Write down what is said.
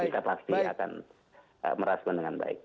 itu kita pasti akan merasakan dengan baik